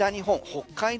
北海道